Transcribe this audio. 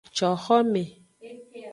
Coxome.